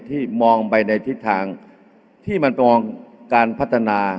มองไปในทิศทางที่มันมองการพัฒนา